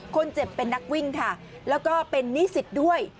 คนเจ็บเป็นนักวิ่งค่ะแล้วก็เป็นนิสิตด้วย